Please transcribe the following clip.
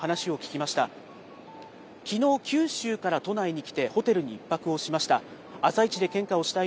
きのう、九州から都内に来て、ホテルに１泊をしました。